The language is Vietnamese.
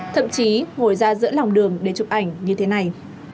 thậm chí ngồi ra giữa lòng đường để chụp ảnh như thế này